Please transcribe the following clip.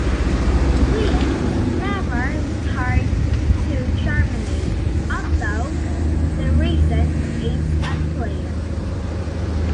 Wiene never returned to Germany, although the reason is unclear.